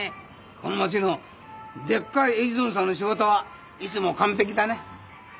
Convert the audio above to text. この町のでっかいエジソンさんの仕事はいつも完璧だね。